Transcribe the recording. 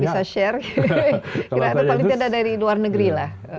kira kira ada politiknya dari luar negeri lah